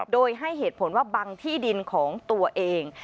โดยให้เหตุผลว่าบังที่ดินของตัวเอง